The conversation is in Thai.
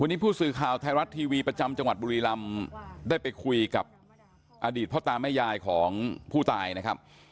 วันนี้ผู้สื่อข่าวไทยรัฐทีวีประจำจังหวัดบุรีรำได้ไปคุยกับอดีตพ่อตาแม่ยายของผู้ตายนะครับ